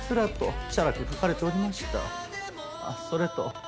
あっそれと。